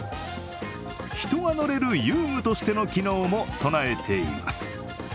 人が乗れる遊具としての機能も備えています。